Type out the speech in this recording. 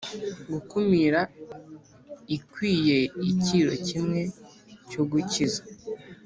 gukumira ikwiye ikiro kimwe cyo gukiza